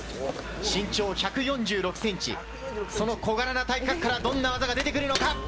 身長１３６センチ、その小柄な体格からどんな技が出てくるのか？